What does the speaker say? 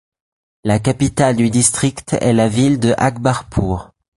La capitale du district est la ville de Akbarpur.